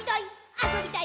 あそびたい！」